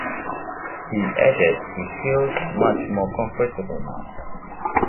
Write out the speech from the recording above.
He added he feels much more comfortable now.